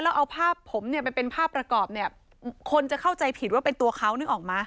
แล้วเอาภาพผมเนี่ยไปเป็นภาพประกอบเนี่ยคนจะเข้าใจผิดว่าเป็นตัวเขานึกออกมา